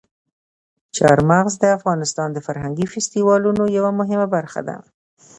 چار مغز د افغانستان د فرهنګي فستیوالونو یوه مهمه برخه ده.